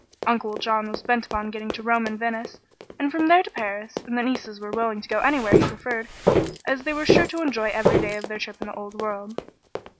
Uncle John was bent upon getting to Rome and Venice, and from there to Paris, and the nieces were willing to go anywhere he preferred, as they were sure to enjoy every day of their trip in the old world.